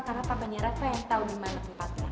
karena papanya reva yang tau dimana tempatnya